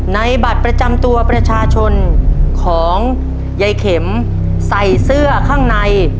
บัตรประจำตัวประชาชนของยายเข็มใส่เสื้อข้างใน